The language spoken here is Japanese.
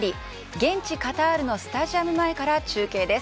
現地カタールのスタジアム前から中継です。